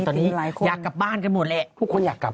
ตอนนี้อยากกลับบ้านกันหมดแหละทุกคนอยากกลับ